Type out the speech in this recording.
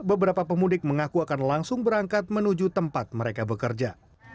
beberapa pemudik mengaku akan langsung berangkat menuju tempat mereka bekerja